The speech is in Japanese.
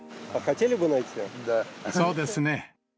そうですね。